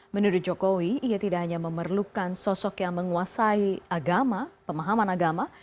menurut jokowi ia tidak hanya memerlukan sosok yang menguasai agama pemahaman agama